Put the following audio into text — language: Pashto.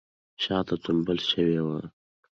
شاته تمبول شوې وه